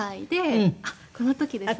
あっこの時ですね。